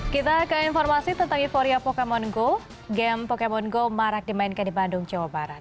kita ke informasi tentang euforia pokemon go game pokemon go marak dimainkan di bandung jawa barat